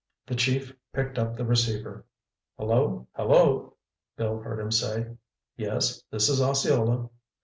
The chief picked up the receiver. "Hello, hello—" Bill heard him say. "Yes, this is Osceola.